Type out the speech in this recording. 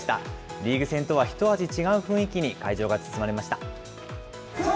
リーグ戦とはひと味違う雰囲気に会場が包まれました。